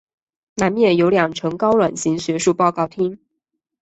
南面有两层高卵形学术报告厅。